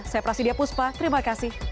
saya prasidya puspa terima kasih